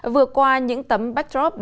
vừa qua những tấm bài hát của chúng tôi